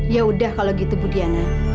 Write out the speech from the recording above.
yaudah kalau gitu bu diana